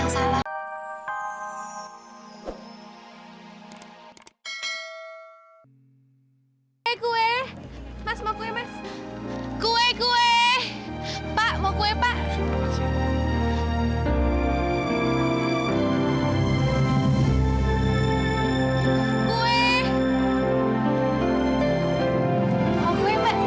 makasih ya mbak